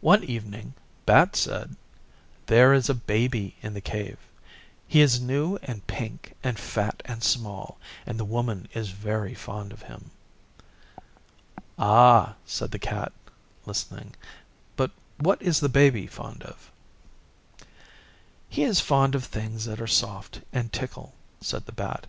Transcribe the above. One evening Bat said, 'There is a Baby in the Cave. He is new and pink and fat and small, and the Woman is very fond of him.' 'Ah,' said the Cat, listening, 'but what is the Baby fond of?' 'He is fond of things that are soft and tickle,' said the Bat.